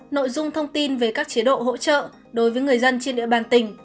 nội dung thông tin về các chế độ hỗ trợ đối với người dân trên địa bàn tỉnh